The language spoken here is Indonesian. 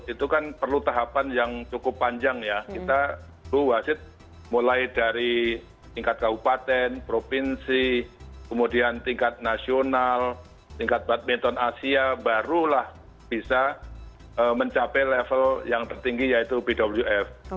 itu kan perlu tahapan yang cukup panjang ya kita perlu wasit mulai dari tingkat kabupaten provinsi kemudian tingkat nasional tingkat badminton asia barulah bisa mencapai level yang tertinggi yaitu bwf